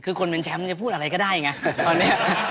คือคนเป็นแชมป์มันจะพูดอะไรก็ได้ไง